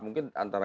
mungkin ada masalah